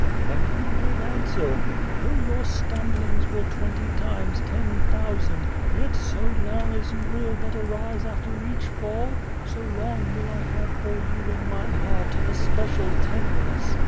" And He made answer, * Though your stumblings were twenty times ten thousand, yet so long as you will but arise after each fall, so long will I have for you in My heart an especial tenderness.